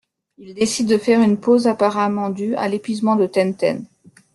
Ils décident de faire une pause, apparemment due à l'épuisement de Tenten.